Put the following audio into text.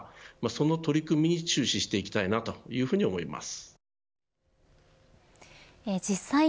その取り組みを注視していきたいなと思います。